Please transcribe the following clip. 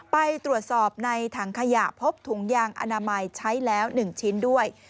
ไปตรวจสอบในถังขยะพบถุงยางอนามัยใช้แล้ว๑ชิ้นด้วย